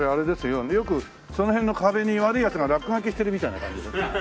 よくその辺の壁に悪いヤツが落書きしてるみたいな感じで。